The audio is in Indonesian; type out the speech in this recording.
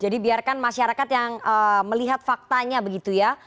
jadi biarkan masyarakat yang melihat faktanya begitu ya